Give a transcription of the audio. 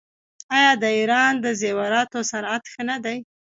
آیا د ایران د زیوراتو صنعت ښه نه دی؟